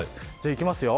いきますよ。